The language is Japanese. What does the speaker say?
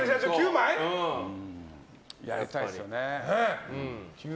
やりたいですよね。